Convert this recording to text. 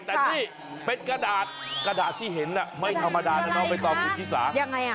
แต่นี่เป็นกระดาษกระดาษที่เห็นน่ะไม่ธรรมดานะน้องใบตองคุณชิสายังไงอ่ะ